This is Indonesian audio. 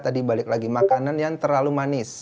tadi balik lagi makanan yang terlalu manis